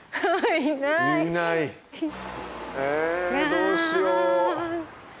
えどうしよう。